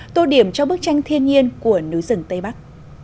tô điểm cho bức tranh thiên nhiên của núi rừng tây bắc